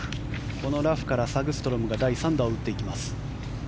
このラフからサグストロムが第３打を打っていきます。